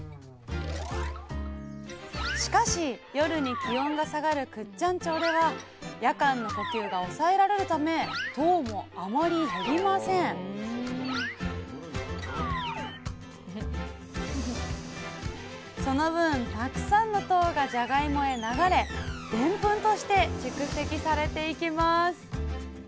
しかし夜に気温が下がる倶知安町では夜間の呼吸が抑えられるため糖もあまり減りませんその分たくさんの糖がじゃがいもへ流れでんぷんとして蓄積されていきます